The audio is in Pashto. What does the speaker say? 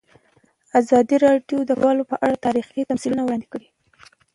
ازادي راډیو د کډوال په اړه تاریخي تمثیلونه وړاندې کړي.